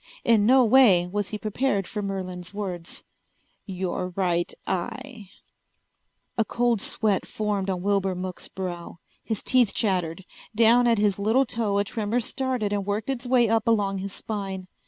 In no way was he prepared for Merlin's words. "Your right eye." A cold sweat formed on Wilbur Mook's brow. His teeth chattered. Down at his little toe a tremor started and worked its way up along his spine.